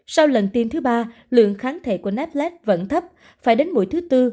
sau lần tiêm thứ ba lượng kháng thể của naplat vẫn thấp phải đến mũi thứ tư